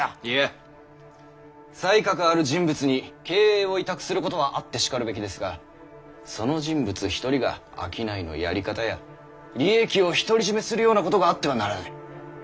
いや才覚ある人物に経営を委託することはあってしかるべきですがその人物一人が商いのやり方や利益を独り占めするようなことがあってはならない。